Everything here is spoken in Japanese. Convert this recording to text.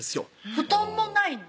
布団もないの？